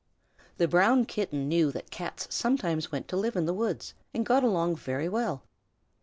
The Brown Kitten knew that Cats sometimes went to live in the woods and got along very well.